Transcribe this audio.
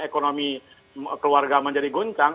ekonomi keluarga menjadi guncang